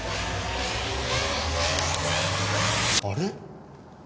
あれ？